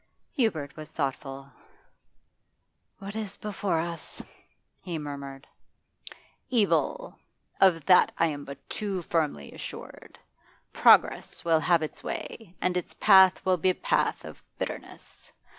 Hubert was thoughtful. 'What is before us?' he murmured. 'Evil; of that I am but too firmly assured. Progress will have its way, and its path will be a path of bitterness.